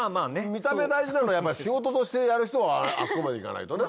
見た目大事なのはやっぱ仕事としてやる人はあそこまで行かないとね。